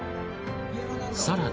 さらに。